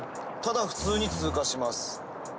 ただ普通に通過します。